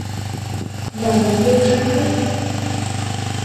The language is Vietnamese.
Vào một đêm trăng khuyết